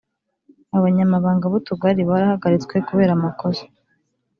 Abanyamabanga b’utugari barahagaritswe kubera amakosa